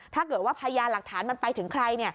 ถ้าเกิดว่าพยายามหาหลักฐานมันไปถึงใคร